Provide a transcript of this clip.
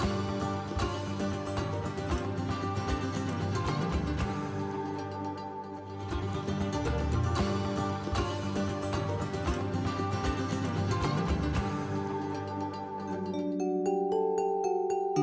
dan juga untuk pemerintah yang memiliki kekuatan yang baik